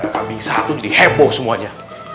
kambing satu diheboh semuanya